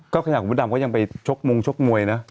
ก็ขณะของผู้ดำก็ยังไปชกมงชกมวยนะ